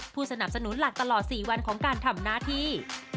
ผู้สนับสนุนหลักตลอด๔วันของการทำหน้าที่